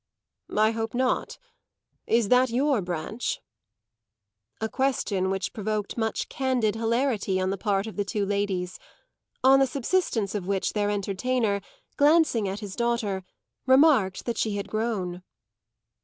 "I hope not. Is that your branch?" A question which provoked much candid hilarity on the part of the two ladies; on the subsidence of which their entertainer, glancing at his daughter, remarked that she had grown.